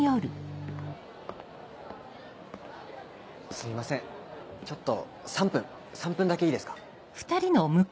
すいませんちょっと３分３分だけいいですか？